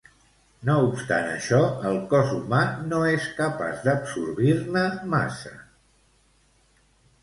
No obstant això, el cos humà no és capaç d'absorbir-ne massa.